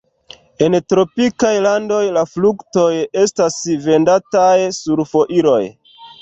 En tropikaj landoj la fruktoj estas vendataj sur foiroj.